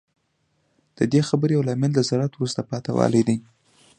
د دې خبرې یو لامل د زراعت وروسته پاتې والی دی